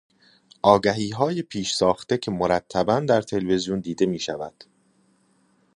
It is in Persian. آگهیهای پیش ساخته که مرتبا در تلویزیون دیده میشود.